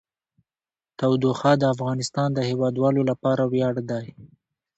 تودوخه د افغانستان د هیوادوالو لپاره ویاړ دی.